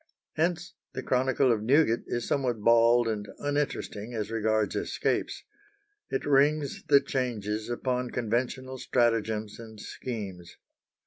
Hence the chronicle of Newgate is somewhat bald and uninteresting as regards escapes. It rings the changes upon conventional stratagems and schemes.